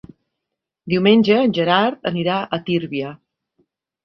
Diumenge en Gerard anirà a Tírvia.